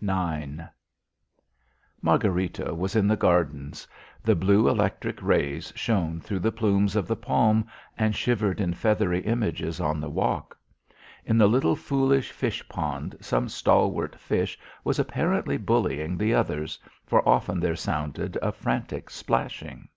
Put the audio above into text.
IX Margharita was in the gardens. The blue electric rays shone through the plumes of the palm and shivered in feathery images on the walk. In the little foolish fish pond some stalwart fish was apparently bullying the others, for often there sounded a frantic splashing.